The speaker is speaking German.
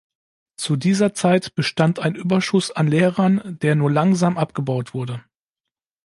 Zu dieser Zeit bestand ein Überschuss an Lehrern, der nur langsam abgebaut wurde.